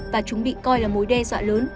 và chúng bị coi là mối đe dọa lớn